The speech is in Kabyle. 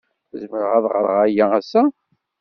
Zemreɣ ad geɣ aya ass-a?